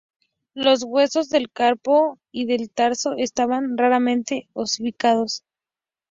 Los huesos del carpo y del tarso estaban raramente osificados.